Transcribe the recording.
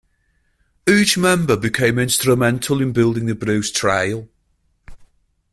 Each member became instrumental in building the Bruce Trail.